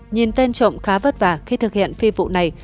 nhìn tên trộm khá vất vả khi thực hiện phi vụ này